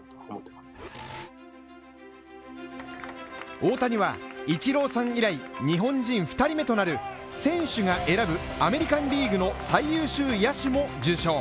大谷はイチローさん以来、日本人２人目となる選手が選ぶ、アメリカン・リーグの最優秀野手も受賞